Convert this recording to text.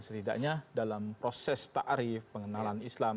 setidaknya dalam proses ta'rif pengenalan islam